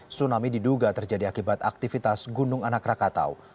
tsunami diduga terjadi akibat aktivitas gunung anak rakatau